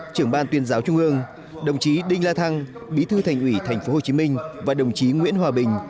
trưởng ban tuyên giáo trung ương đồng chí đinh la thăng bí thư thành ủy tp hcm và đồng chí nguyễn hòa bình